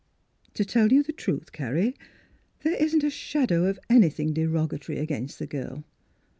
To tell you the truth, Carrie, there isn't a shadow of anything derogatory against the girl.